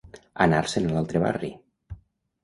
Anar-se'n a l'altre barri.